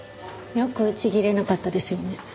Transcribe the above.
よくちぎれなかったですよね。